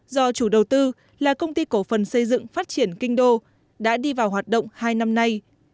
do chủ đầu tư là công ty cổ phần xây dựng phát triển kinh đô đã đi vào hoạt động hai năm nay